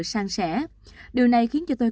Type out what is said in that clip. sang sẻ điều này khiến cho tôi